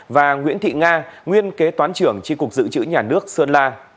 và nguyễn thị nga nguyên kế toán trưởng tri cục dự trữ nhà nước sơn la